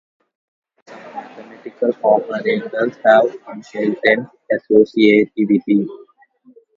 Some mathematical operators have inherent associativity.